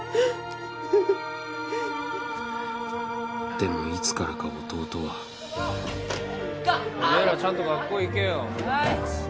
でもいつからか弟はおめえらちゃんと学校行けよはい